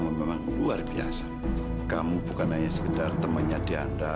lakukan secepatnya dok